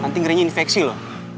nanti ngerinya infeksi lo